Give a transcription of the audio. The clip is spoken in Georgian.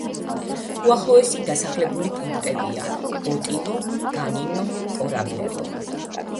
უახლოესი დასახლებული პუნქტებია: ბოტილო, განინო, კორაბლევო.